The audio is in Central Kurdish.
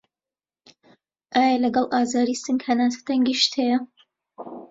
ئایا لەگەڵ ئازاری سنگ هەناسه تەنگیشت هەیە؟